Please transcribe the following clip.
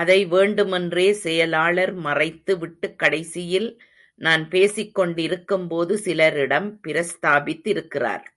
அதை வேண்டுமென்றே செயலாளர் மறைத்து விட்டுக் கடைசியில் நான் பேசிக் கொண்டிருக்கும்போது சிலரிடம் பிரஸ்தாபித்திருக்கிறார்.